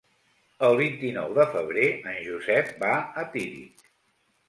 El vint-i-nou de febrer en Josep va a Tírig.